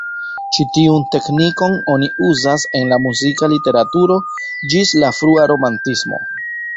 Ĉi tiun teknikon oni uzas en la muzika literaturo ĝis la frua romantismo.